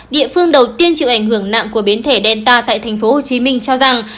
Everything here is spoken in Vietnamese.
địa phương đầu tiên chịu ảnh hưởng nặng của biến thể delta tại tp hcm cho rằng